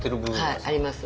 はいあります。